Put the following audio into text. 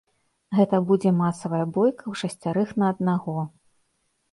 Гэта будзе масавая бойка ўшасцярых на аднаго.